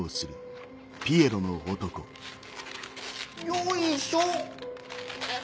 よいしょっ！